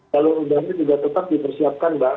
jalur udara ini juga tetap dipersiapkan mbak